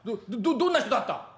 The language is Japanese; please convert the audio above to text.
どどんな人だった？」。